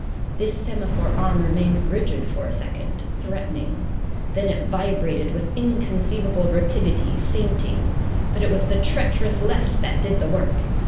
This semaphore arm remained rigid for a second, threatening; then it vibrated with inconceivable rapidity, feinting. But it was the treacherous left that did the work.